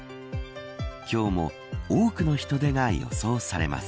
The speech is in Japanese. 今日も多くの人出が予想されます。